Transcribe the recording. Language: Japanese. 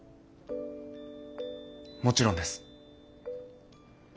もちろんです。